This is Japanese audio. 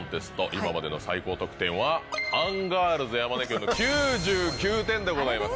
今までの最高得点はアンガールズ山根君の９９点でございます。